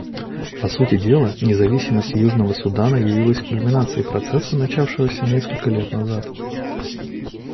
По сути дела, независимость Южного Судана явилась кульминацией процесса, начавшегося несколько лет назад.